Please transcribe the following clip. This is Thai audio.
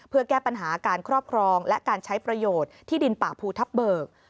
เพื่อแก้ปัญหาการครอบครองและการใช้ประโยชน์ที่ดินป่าภูทับเบิก